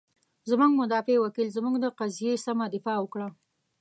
زمونږ مدافع وکیل، زمونږ د قضیې سمه دفاع وکړه.